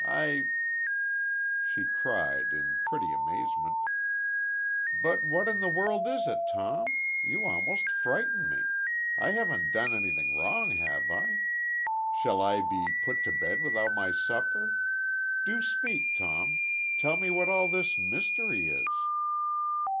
I " She cried, in pretty amazement: "But what in the world is it? Tom! You almost frighten me! I haven't done anything wrong, have I? Shall I be put to bed without my supper? ... Do speak, Tom. Tell me what all this mystery is."